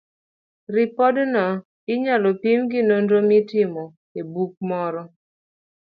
Ripodno inyalo pim gi nonro mitimo e buk moro